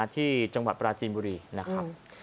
ที่จังหวัดปราจีนบุรีนะครับ